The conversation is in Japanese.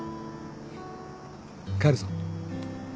帰るぞ。